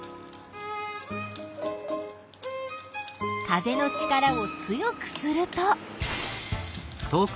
風の力を強くすると。